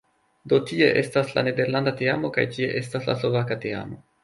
Do tie estas la nederlanda teamo kaj tie estas la slovaka teamo